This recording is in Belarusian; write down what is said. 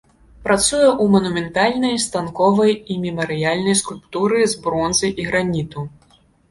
Працуе ў манументальнай, станковай і мемарыяльнай скульптуры з бронзы і граніту.